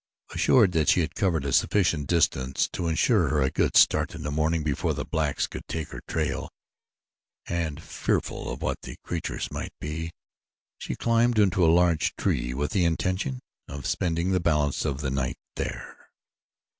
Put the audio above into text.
Assured that she had covered a sufficient distance to insure her a good start in the morning before the blacks could take to her trail, and fearful of what the creatures might be, she climbed into a large tree with the intention of spending the balance of the night there.